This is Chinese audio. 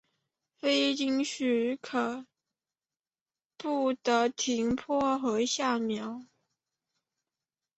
非经许可不得停泊和下锚。